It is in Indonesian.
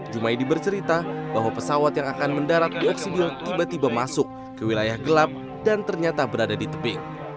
⁇ maidi bercerita bahwa pesawat yang akan mendarat di oksibil tiba tiba masuk ke wilayah gelap dan ternyata berada di tebing